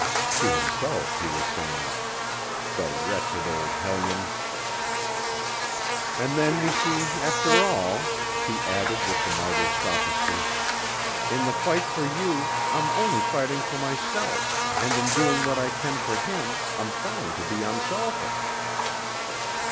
To himself he was saying, "The wretched old hellion!" "And then you see, after all," she added with the martyr's sophistry, "in the fight for you, I'm only fighting for myself and in doing what I can for him I'm trying to be unselfish."